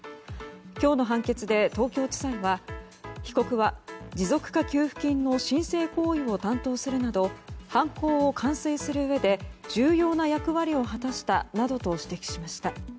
今日の判決で、東京地裁は被告は持続化給付金の申請行為を担当するなど犯行を完遂するうえで重要な役割を果たしたなどと指摘しました。